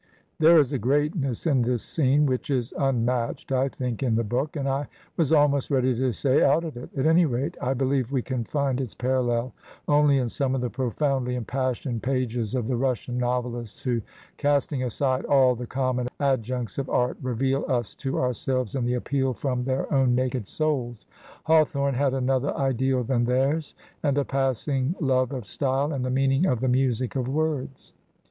There is a greatness in this scene which is unmatched, I think, in the book, and, I was almost ready to say, out of it. At any rate, I believe we can find its parallel only in some of the profoundly impassioned pages of the Russian novelists who, casting aside all the com mon adjuncts of art, reVbal us to ourselves in the appeal from their own naked souls. Hawthorne had another ideal than theirs, and a passing love of style, and the meaning of the music of words.